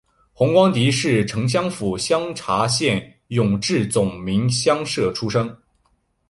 洪光迪是承天府香茶县永治总明乡社出生。